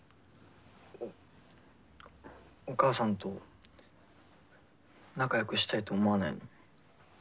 おお母さんと仲よくしたいと思わないの？